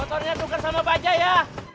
motornya tukar sama baja ya